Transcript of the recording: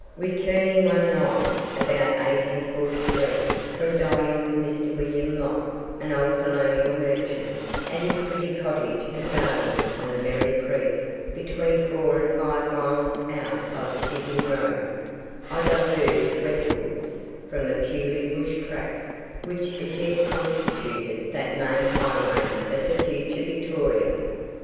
Returning one night, about 1843, from dining with Mr. William Locke, an old colonial merchant, at his pretty cottage and gardens on the Merri Creek, between four and five miles out by the Sydney road, I diverged westwards from the purely bush track which as yet constituted that main highway of the future Victoria.